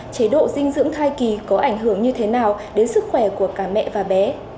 chế độ dinh dưỡng thai kỳ có ảnh hưởng như thế nào đến sức khỏe của cả mẹ và bé